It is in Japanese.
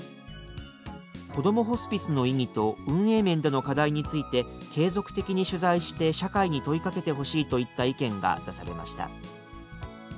「こどもホスピスの意義と運営面での課題について継続的に取材して社会に問いかけてほしい」といった意見が出されました。